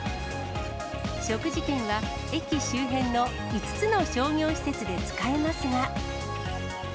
食事券は駅周辺の５つの商業施設で使えますが。